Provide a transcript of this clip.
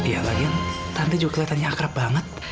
ya lagi tante juga kelihatannya akrab banget